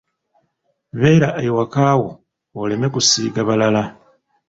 Beera ewaka wo oleme kusiiga balala.